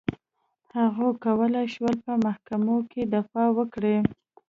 هغوی کولای شول په محکمو کې دفاع وکړي.